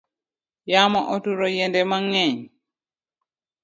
Yamo oturo yiende mangeny